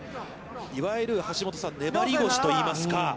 いわゆる橋下さん、粘り腰といいますか。